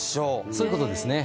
そういうことですね。